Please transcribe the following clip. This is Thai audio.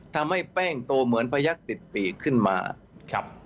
ทำให้แป้งโตเหมือนพระยักษณ์ติดปีขึ้นมา